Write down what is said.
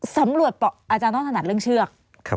สำรวจบอกอาจารย์น่อถนัดเรื่องเชือก